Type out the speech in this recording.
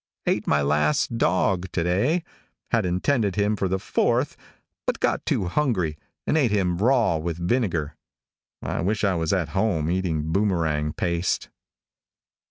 Ate my last dog to day. Had intended him for the 4th, but got too hungry, and ate him raw with vinegar; I wish I was at home eating Boomerang paste.